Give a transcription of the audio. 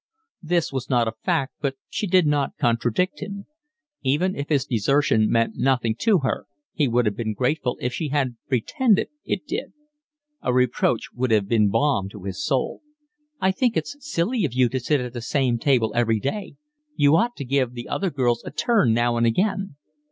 This was not a fact, but she did not contradict him. Even if his desertion meant nothing to her he would have been grateful if she had pretended it did. A reproach would have been balm to his soul. "I think it's silly of you to sit at the same table every day. You ought to give the other girls a turn now and again."